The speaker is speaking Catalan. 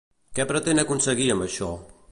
Què pretén aconseguir amb això?